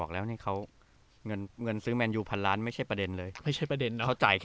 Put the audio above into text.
แล้วมีเงินแสงมากจะไม่ใช่ประเด็นเลย